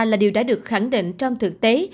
là điều đã được khẳng định trong thực tế